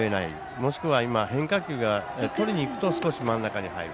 もしくは変化球をとりにいくと少し真ん中に入る。